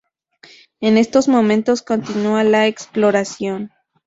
En estos momentos continúa la exploración.